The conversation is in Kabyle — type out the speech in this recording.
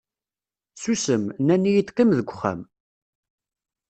Susem, nnan-iyi-d qqim deg uxxam.